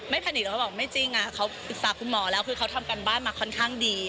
ไม่จริงจะบอกไม่จริงเธอปรึกษากับมแล้วคือเขาทำการบ้านมาคนข้างดี